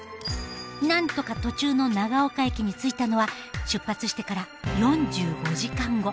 なんとか途中の長岡駅に着いたのは出発してから４５時間後。